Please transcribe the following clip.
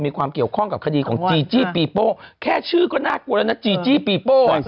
มีความเกี่ยวข้องกับคดีของจีจี้ปีโป้แค่ชื่อก็น่ากลัวแล้วนะจีจี้ปีโป้